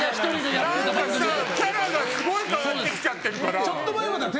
キャラがすごい変わってきちゃってるから。